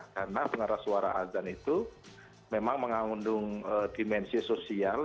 karena pengeras suara adan itu memang mengandung dimensi sosial